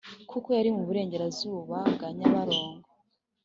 kuko yari mu burengerazuba bwa nyabarongo